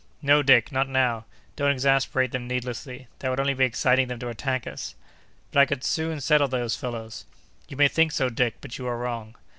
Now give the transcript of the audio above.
"No, Dick; not now! Don't exasperate them needlessly. That would only be exciting them to attack us!" "But I could soon settle those fellows!" "You may think so, Dick. But you are wrong!"